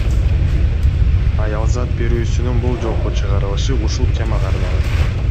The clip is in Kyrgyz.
Аялзат берүүсүнүн бул жолку чыгарылышы ушул темага арналат.